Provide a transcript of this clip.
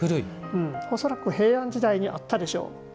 恐らく平安時代にあったでしょう。